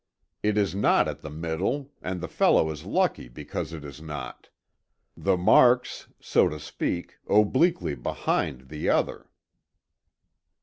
"It is not at the middle, and the fellow is lucky because it is not. The mark's, so to speak, obliquely behind the other."